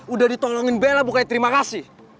udah ditolongin bella bukanya terima kasih